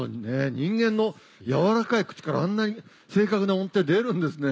人間の柔らかい口からあんなに正確な音程出るんですね。